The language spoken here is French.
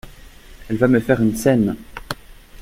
Elle va me faire une scène !